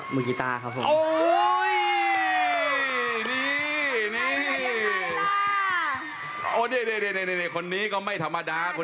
ดูนี้คนนี้ก็ไม่ธรรมดา